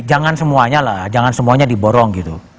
jangan semuanya lah jangan semuanya diborong gitu